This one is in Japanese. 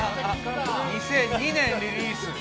２００２年リリース。